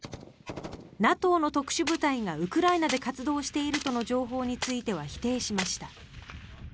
ＮＡＴＯの特殊部隊がウクライナで活動しているとの情報については否定しました。